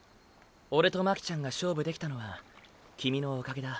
オレと巻ちゃんが勝負できたのはキミのおかげだ。